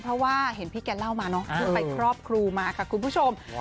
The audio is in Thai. เพราะว่าเห็นพี่แกเล่ามาเนอะคือไปครอบครูมาค่ะคุณผู้ชม